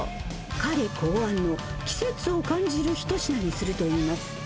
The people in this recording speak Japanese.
彼考案の季節を感じる一品にするといいます。